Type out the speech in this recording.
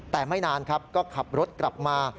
แต่ไม่นานครับก็ขับรถกลับมา